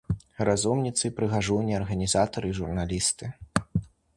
Разумніцы і прыгажуні, арганізатары і журналісты.